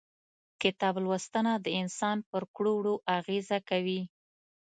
کتاب لوستنه د انسان پر کړو وړو اغيزه کوي.